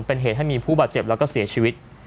เป็นเหตุให้มีผู้บาดเจ็บแล้วก็เสียชีวิต